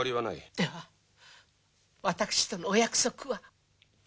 では私とのお約束は？